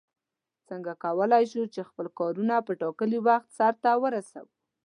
څنگه کولای شو چې خپل کارونه په ټاکلي وخت سرته ورسوو؟